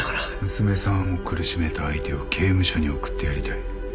娘さんを苦しめた相手を刑務所に送ってやりたい。